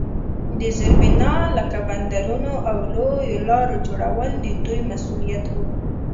د زیربنا لکه بندرونو او لویو لارو جوړول د دوی مسوولیت وو.